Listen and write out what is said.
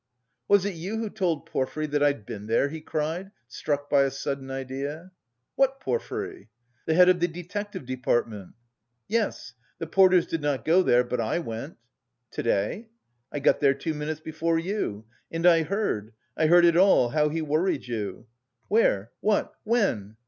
"Was it you who told Porfiry... that I'd been there?" he cried, struck by a sudden idea. "What Porfiry?" "The head of the detective department?" "Yes. The porters did not go there, but I went." "To day?" "I got there two minutes before you. And I heard, I heard it all, how he worried you." "Where? What? When?"